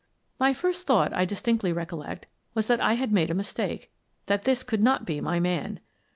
My first thought, I distinctly recollect, was that I had made a mistake; that this could not be my man.